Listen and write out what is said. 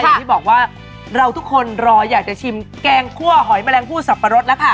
อย่างที่บอกว่าเราทุกคนรออยากจะชิมแกงคั่วหอยแมลงผู้สับปะรดแล้วค่ะ